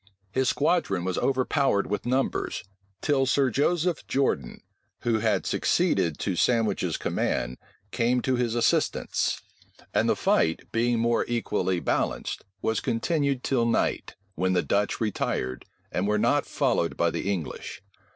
His squadron was overpowered with numbers, till Sir Joseph Jordan, who had succeeded to Sandwich's command, came to his assistance; and the fight, being more equally balanced, was continued till night, when the Dutch retired, and were not followed by the English.